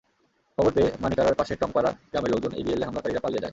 খবর পেয়ে মানিকাড়ার পাশের টংপাড়া গ্রামের লোকজন এগিয়ে এলে হামলাকারীরা পালিয়ে যায়।